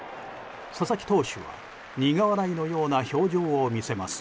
佐々木投手は苦笑いのような表情を見せます。